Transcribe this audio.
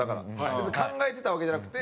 別に考えてたわけじゃなくて。